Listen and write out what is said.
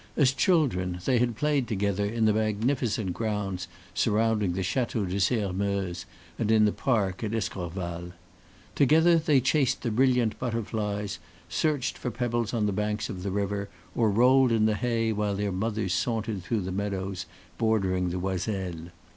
As children, they had played together in the magnificent grounds surrounding the Chateau de Sairmeuse, and in the park at Escorval. Together they chased the brilliant butterflies, searched for pebbles on the banks of the river, or rolled in the hay while their mothers sauntered through the meadows bordering the Oiselle.